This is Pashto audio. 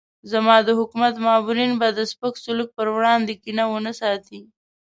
زما د حکومت مامورین به د سپک سلوک پر وړاندې کینه ونه ساتي.